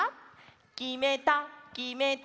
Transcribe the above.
「きめたきめた」